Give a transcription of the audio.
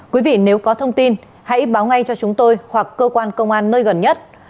quý vị nếu có thông tin hãy báo ngay cho chúng tôi hoặc cơ quan công an nơi gần nhất